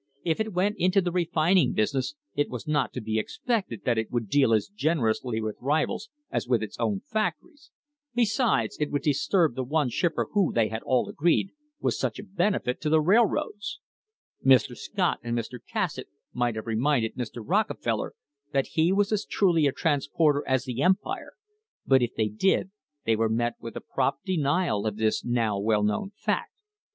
If it went into the refining business it was not to be expected that it would deal as generously with rivals as with its own factories; besides, it would disturb the one shipper who, they all had agreed, was such a benefit to the railroads. Mr. Scott and Mr. Cassatt THE HISTORY OF THE STANDARD OIL COMPANY might have reminded Mr. Rockefeller that he was as truly a transporter as the Empire, but if they did they were met with a prompt denial of this now well known fact.